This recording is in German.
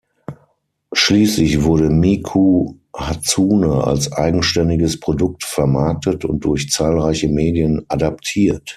Schließlich wurde Miku Hatsune als „eigenständiges Produkt“ vermarktet und durch zahlreiche Medien adaptiert.